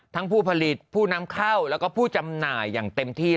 ผู้ผลิตผู้นำเข้าแล้วก็ผู้จำหน่ายอย่างเต็มที่